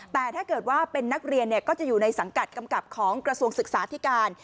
แต่ถ้าเกิดว่าเป็นนักเรียนก็จะอยู่ในสังกัดกำกับของกระทรวงศึกษาธิการ